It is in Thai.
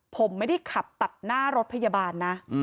ผมไม่ได้ขับตัดหน้ารถพยาบาลนะ